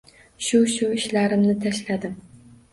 Shu-shu, ishlarimni tashladim.